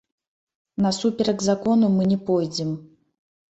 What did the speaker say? Насуперак закону мы не пойдзем.